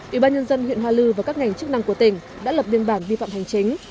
ủy ban nhân dân huyện hoa lư và các ngành chức năng của tỉnh đã lập biên bản vi phạm hành chính